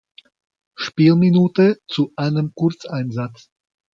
Spielminute zu einem Kurzeinsatz.